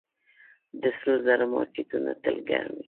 د سرو زرو مارکیټونه تل ګرم وي